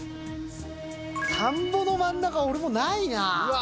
田んぼの真ん中、俺もないな。